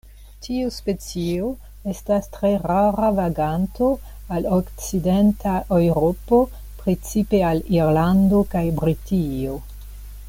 Tiu specio estas tre rara vaganto al okcidenta Eŭropo, precipe al Irlando kaj Britio.